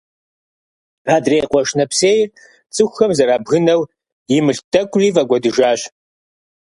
Адрей къуэш нэпсейр цӀыхухэм зэрабгынэу, и мылъку тӀэкӀури фӀэкӀуэдыжащ.